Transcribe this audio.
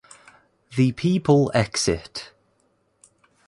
The People exit.